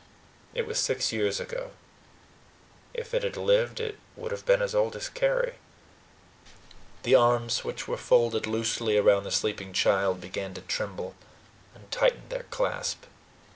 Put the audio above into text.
It was six years ago; if it had lived, it would have been as old as Carry. The arms which were folded loosely around the sleeping child began to tremble, and tighten their clasp.